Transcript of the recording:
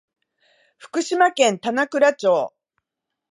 福島県棚倉町